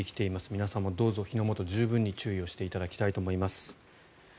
皆さんもどうぞ火の元十分に注意していただきたいと思います。